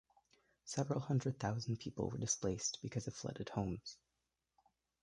Several hundred thousand people were displaced because of flooded homes.